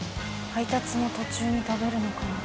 配達の途中に食べるのかな。